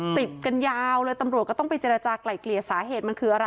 ติดกันยาวเลยตำรวจก็ต้องไปเจรจากลายเกลี่ยสาเหตุมันคืออะไร